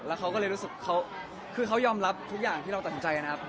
เขาก็เลยรู้สึกเขาคือเขายอมรับทุกอย่างที่เราตัดสินใจนะครับ